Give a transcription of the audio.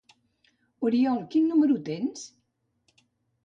—Oriol, quin número tens?